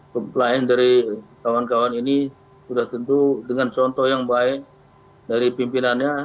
kepelayan dari kawan kawan ini sudah tentu dengan contoh yang baik dari pimpinannya